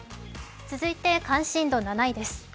続いて関心度７位です。